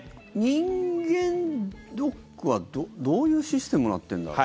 人間ドックはどういうシステムになってんだろう？